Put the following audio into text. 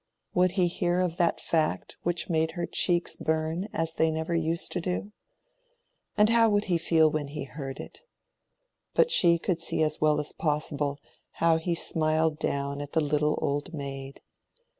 Would he hear of that fact which made her cheeks burn as they never used to do? And how would he feel when he heard it?—But she could see as well as possible how he smiled down at the little old maid.